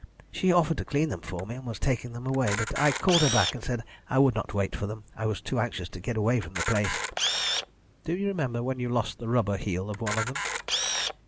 She offered to clean them for me, and was taking them away, but I called her back and said I would not wait for them. I was too anxious to get away from the place." "Do you remember when you lost the rubber heel of one of them?"